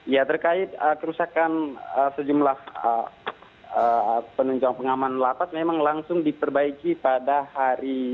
ya terkait kerusakan sejumlah penunjang pengaman lapas memang langsung diperbaiki pada hari